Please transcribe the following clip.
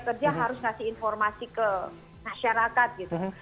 kerja harus ngasih informasi ke masyarakat gitu